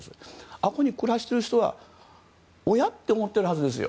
あそこに暮らしている方はおや？と思ってるはずですよ。